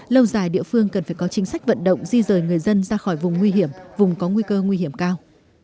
lâu dài địa phương cần phải có chính sách vận động di rời người dân ra khỏi vùng nguy hiểm vùng có nguy cơ nguy hiểm cao